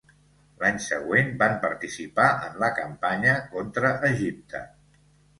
L'any següent van participar en la campanya contra Egipte.